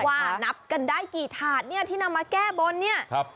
นับกันได้กี่ถาดเนี่ยที่นำมาแก้บนเนี่ยครับ